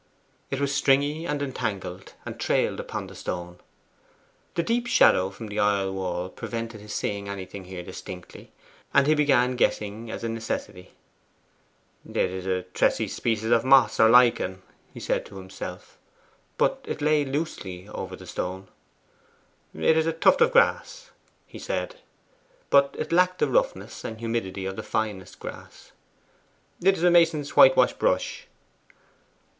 It was stringy and entangled, and trailed upon the stone. The deep shadow from the aisle wall prevented his seeing anything here distinctly, and he began guessing as a necessity. 'It is a tressy species of moss or lichen,' he said to himself. But it lay loosely over the stone. 'It is a tuft of grass,' he said. But it lacked the roughness and humidity of the finest grass. 'It is a mason's whitewash brush.